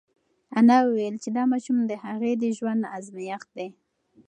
انا وویل چې دا ماشوم د هغې د ژوند ازمېښت دی.